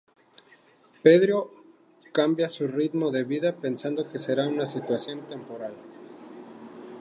Pedro cambia su ritmo de vida pensando que será una situación temporal.